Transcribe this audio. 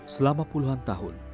selama puluhan tahun